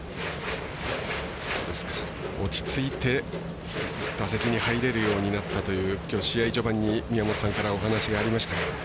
落ち着いて打席に入れるようになったというきょう試合序盤に宮本さんからお話がありましたが。